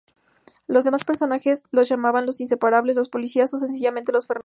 Los demás personajes los llaman "los inseparables", "los policías" o, sencillamente, "los Fernández".